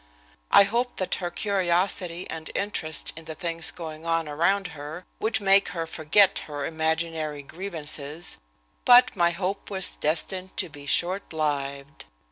I hoped that her curiosity and interest in the things going on around her would make her forget her imaginary grievances, but my hope was destined to be short lived.